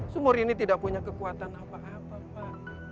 sumur ini tidak punya kekuatan apa apa pak